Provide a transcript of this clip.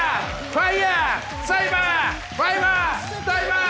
ファイバー！